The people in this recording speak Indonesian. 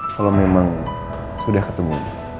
kalau memang sudah ketemu